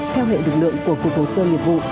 theo hệ lực lượng của cục hồ sơ nghiệp vụ